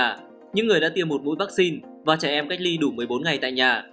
những người đã tiêm một mũi vaccine và trẻ em cách ly đủ một mươi bốn ngày tại nhà